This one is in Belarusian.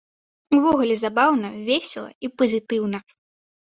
Увогуле забаўна, весела і пазітыўна!